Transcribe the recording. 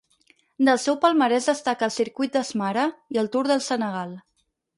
Del seu palmarès destaca el Circuit d'Asmara i el Tour del Senegal.